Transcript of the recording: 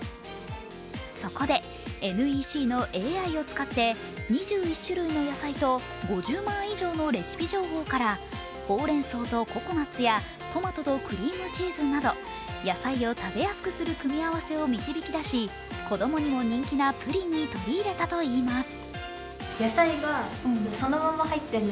そこで、ＮＥＣのＡＩを使って２１種類の野菜と５０万以上のレシピ情報からほうれん草とココナッツやトマトとクリームチーズなど野菜を食べやすくする組み合わせを導きだし、子供にも人気なプリンに取り入れたといいます。